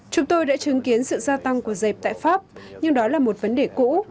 chúng tôi đã chứng kiến sự gia tăng của dẹp tại pháp nhưng đó là một vấn đề cũ